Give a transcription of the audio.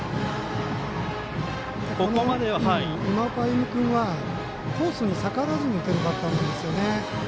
今岡歩夢君はコースに逆らわずに打てるバッターなんですよね。